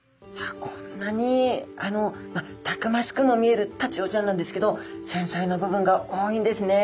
こんなにたくましくも見えるタチウオちゃんなんですけど繊細な部分が多いんですね。